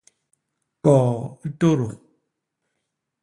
Koo tôdô.